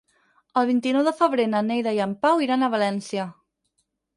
El vint-i-nou de febrer na Neida i en Pau iran a València.